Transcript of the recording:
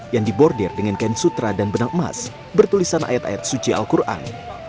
yang dibordir dengan kain sutra dan benang emas bertulisan ayat ayat suci al quran